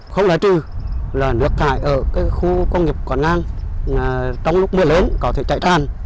không lẽ trừ là nước thải ở khu công nghiệp quán ngang trong lúc mưa lớn có thể chạy tràn